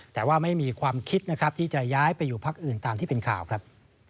แต่ว่าไม่มีความคิดนะครับที่จะย้ายไปอยู่พักอื่นตามที่เป็นข่าวครับ